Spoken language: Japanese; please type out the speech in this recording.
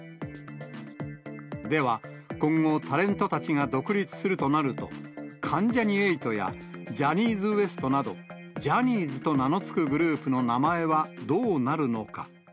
では、今後、タレントたちが独立するとなると、関ジャニ∞やジャニーズＷＥＳＴなど、ジャニーズと名のつくグループの名前はどうなるのか。